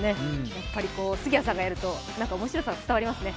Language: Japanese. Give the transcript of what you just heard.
やっぱり杉谷さんがやると面白さが伝わりますね。